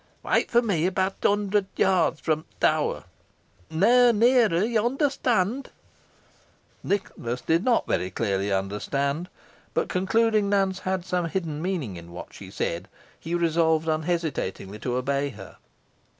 Wait fo' me about a hundert yorts fro' th' tower. Nah nearer yo onderstand?" Nicholas did not very clearly understand, but concluding Nance had some hidden meaning in what she said, he resolved unhesitatingly to obey her.